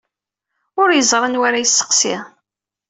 Ur yeẓri anwa ara yesseqsi.